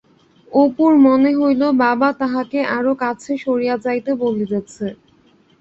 অপুর মনে হইল বাবা তাহাকে আরও কাছে সরিয়া যাইতে বলিতেছে।